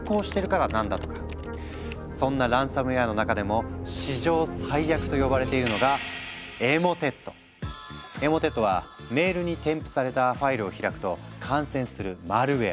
そんなランサムウェアの中でも史上最悪と呼ばれているのがエモテットはメールに添付されたファイルを開くと感染するマルウェア。